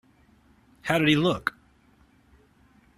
How did he look?